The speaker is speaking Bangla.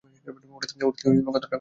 ওটাতে কত টাকা আছে?